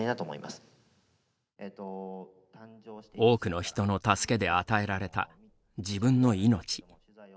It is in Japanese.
多くの人の助けで与えられた自分の命。